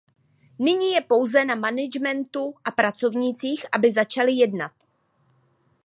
Nyní je pouze na managementu a pracovnících, aby začali jednat.